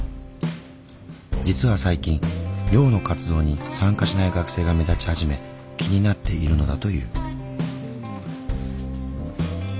実は最近寮の活動に参加しない学生が目立ち始め気になっているのだという。